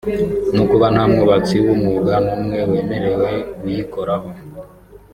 no kuba nta mwubatsi w’umwuga n’umwe wemewe uyikoraho